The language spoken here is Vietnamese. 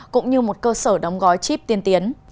cũng như một cơ sở đóng gói chip tiên tiến